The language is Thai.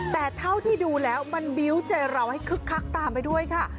แต่เท่าที่ดูแล้วมันบิวต์ใจเราให้คึกคักตามไปด้วยค่ะ